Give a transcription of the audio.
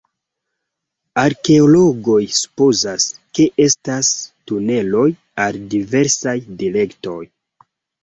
Arkeologoj supozas, ke estas tuneloj al diversaj direktoj.